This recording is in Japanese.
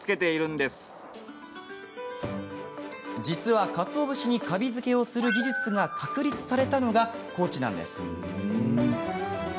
実は、かつお節にカビ付けをする技術が確立されたのが高知なのです。